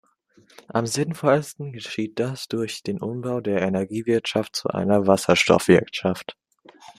Am sinnvollsten geschieht das durch den Umbau der Energiewirtschaft zu einer Wasserstoffwirtschaft.